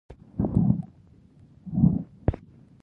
بل دود دا و چې بندیان اشرافو ته سپارل کېدل.